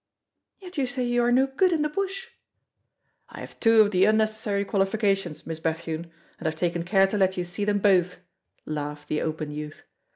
"Yet you say you are no good in the bush!" "I have two of the unnecessary qualifications, Miss Bethune, and I've taken care to let you see them both," laughed the open youth.